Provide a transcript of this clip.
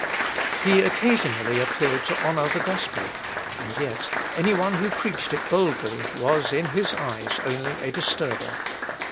He occasionally appeared to honour the gospel, and yet any one who preached it boldly was in his eyes only a disturber.